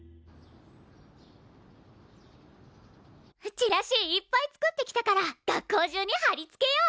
チラシいっぱい作ってきたから学校中にはりつけよう！